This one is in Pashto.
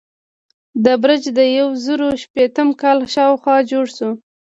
دا برج د یو زرو شپیتم کال شاوخوا جوړ شو.